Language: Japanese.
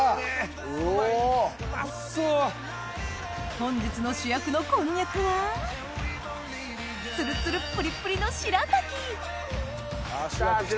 本日の主役のこんにゃくはツルツルプリプリのあしらたき来た！